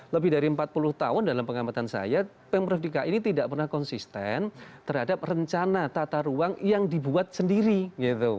lebih dari empat puluh tahun dalam pengamatan saya pemprov dki ini tidak pernah konsisten terhadap rencana tata ruang yang dibuat sendiri gitu